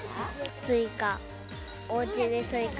スイカ。